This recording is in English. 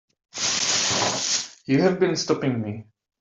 You have been stopping me.